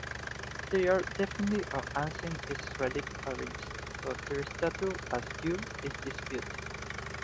They are definitely of ancient Israelite origin, but their status as Jews is disputed.